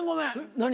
何？